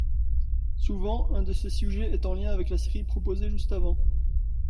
Souvent un de ces sujets est en lien avec la série proposée juste avant.